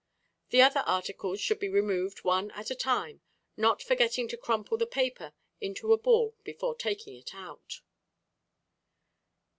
The other articles should be removed one at a time, not forgetting to crumple the paper into a ball before taking it out.